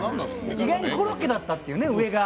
意外にコロッケだったっていうね、上が。